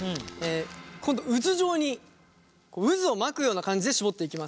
今度渦状に渦を巻くような感じで絞っていきます。